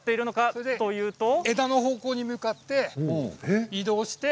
枝の方向に向かって移動して。